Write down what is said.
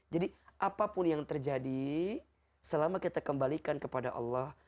jadi apapun yang terjadi selama kita kembalikan kepada allah